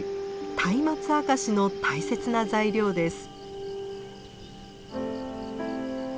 「松明あかし」の大切な材料です。